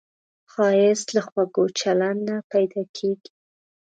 ښایست له خواږه چلند نه پیدا کېږي